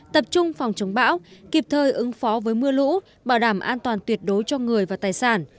tập trung phòng chống bão kịp thời ứng phó với mưa lũ bảo đảm an toàn tuyệt đối cho người và tài sản